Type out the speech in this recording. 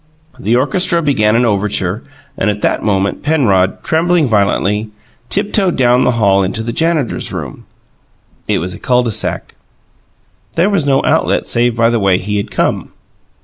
The orchestra began an overture, and, at that, Penrod, trembling violently, tiptoed down the hall into the Janitor's Room. It was a cul de sac: There was no outlet save by the way he had come.